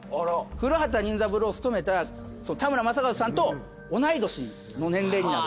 古畑任三郎を務めた田村正和さんと同い年の年齢になる。